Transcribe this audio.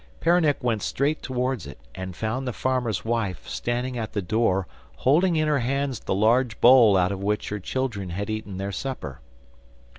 Peronnik went straight towards it, and found the farmer's wife standing at the door holding in her hands the large bowl out of which her children had eaten their supper.